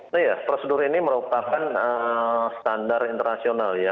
nah ya prosedur ini merupakan standar internasional ya